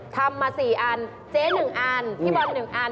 ทำมาสี่อันเจ๊หนึ่งอันพี่บอลหนึ่งอัน